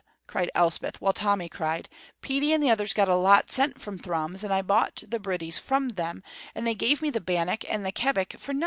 cried Elspeth, while Tommy cried, "Petey and the others got a lot sent from Thrums, and I bought the bridies from them, and they gave me the bannock and the kebbock for nuthin'!"